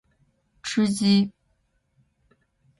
吃鸡